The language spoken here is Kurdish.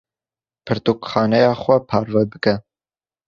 Pirtûkxaneya xwe parve bike.